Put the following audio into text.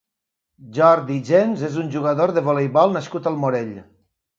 Jordi Gens és un jugador de voleibol nascut al Morell.